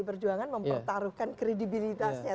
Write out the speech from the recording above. perjuangan mempertaruhkan kredibilitasnya